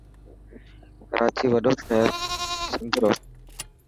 ڪراچي وڏو شهر هي سنڌرو.